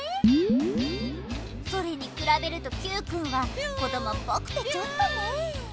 それにくらべるとＱくんはこどもっぽくてちょっとね。